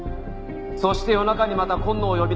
そして夜中にまた今野を呼び出して殺した。